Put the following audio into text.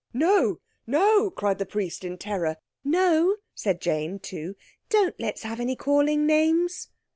"No, no!" cried the Priest in terror. "No," said Jane, too. "Don't let's have any calling names."